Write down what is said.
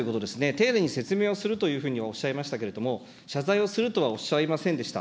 丁寧に説明をするというふうにおっしゃいましたけれども、謝罪をするとはおっしゃいませんでした。